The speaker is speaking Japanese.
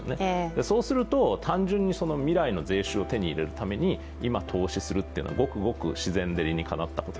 そうすると単純に未来の税収を手に入れるために今、投資するというのはごくごく自然で理にかなったものだと。